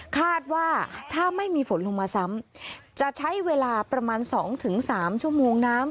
คาดว่าถ้าไม่มีฝนลงมาซ้ำจะใช้เวลาประมาณ๒๓ชั่วโมงน้ำ